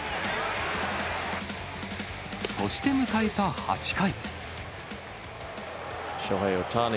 そして迎えた８回。